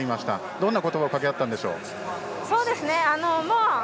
どんな言葉をかけ合ったんですか。